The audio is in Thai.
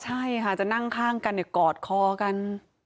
ใช่ค่ะจะนั่งข้างกันกอดคอกัน